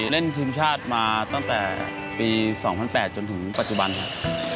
เล่นทีมชาติมาตั้งแต่ปี๒๐๐๘จนถึงปัจจุบันครับ